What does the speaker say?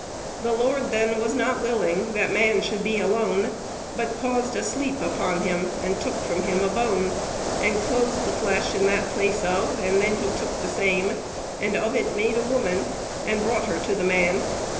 The Lord then was not willing The man should be alone, But caused a sleep upon him, And took from him a bone, And closed the flesh in that place of; And then he took the same, And of it made a woman, And brought her to the man.